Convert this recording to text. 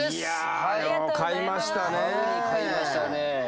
いやよう買いましたね。